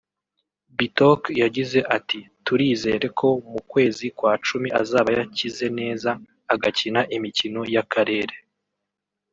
Bitok yagize ati” Turizere ko mu kwezi kwa cumi azaba yakize neza agakina imikino y’akarere